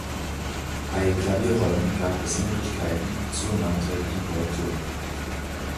Bei Klavierrollen gab es Möglichkeiten zur nachträglichen Korrektur.